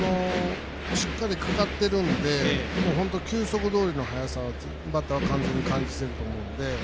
しっかりかかってるので本当球速どおりの速さをバッターは感じてると思うので。